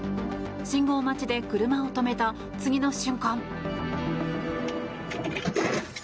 信号待ちで車を止めた次の瞬間。